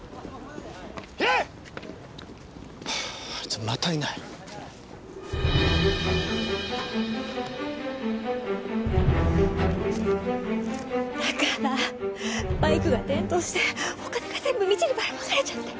バイクが転倒してお金が全部道にばらまかれちゃって。